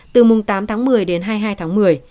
từ mùng tám tháng một mươi đến hai mươi hai tháng một mươi